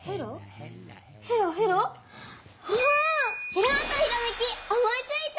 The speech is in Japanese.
きらんとひらめき思いついた！